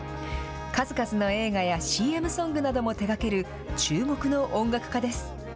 数々の映画やＣＭソングなども手がける注目の音楽家です。